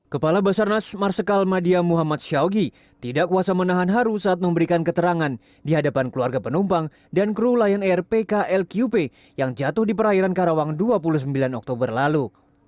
kepala basarnas marsikal madia muhammad syawgi tidak kuasa menahan haru saat memberikan keterangan di hadapan keluarga penumpang dan kru lion air pklqp yang jatuh di perairan karawang dua puluh sembilan oktober lalu